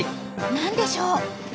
何でしょう？